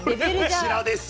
こちらですよ。